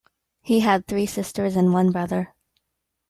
He had three sisters and one brother.